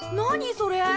それ。